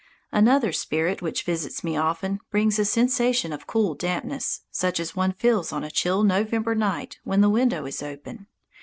Another spirit which visits me often brings a sensation of cool dampness, such as one feels on a chill November night when the window is open.